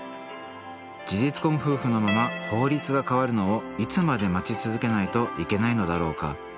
事実婚夫婦のまま法律が変わるのをいつまで待ち続けないといけないのだろうか。